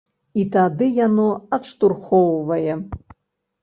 І тады яно адштурхоўвае.